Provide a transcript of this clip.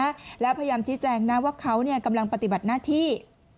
แล้วพยายามชี้แจงนะว่าเขากำลังปฏิบัติหน้าที่